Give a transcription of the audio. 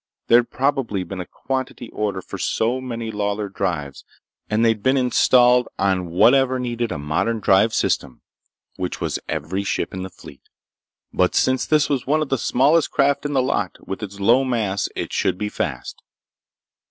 There'd probably been a quantity order for so many Lawlor drives, and they'd been installed on whatever needed a modern drive system, which was every ship in the fleet. But since this was one of the smallest craft in the lot, with its low mass it should be fast.